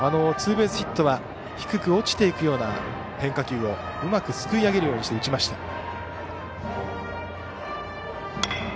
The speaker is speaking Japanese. ツーベースヒットは低く落ちていくような変化球をうまく、すくい上げるようにして打ちました。